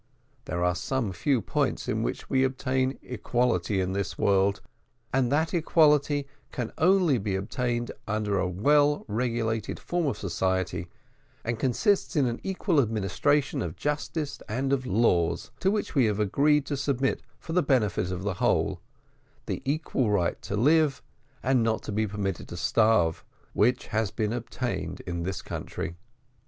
There are some few points in which we can obtain equality in this world, and that equality can only be obtained under a well regulated form of society, and consists in an equal administration of justice and of laws to which we have agreed to submit for the benefit of the whole the equal right to live and not be permitted to starve, which has been obtained in this country.